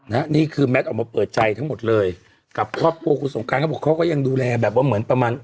นี่คือแมทออกมาเปิดใจทั้งหมดเลยกับครอบครัวคุณสงการเขาบอกเขาก็ยังดูแลแบบว่าเหมือนประมาณ